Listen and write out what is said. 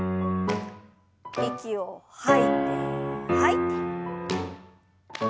息を吐いて吐いて。